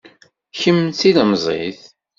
Kemm d tilemẓit.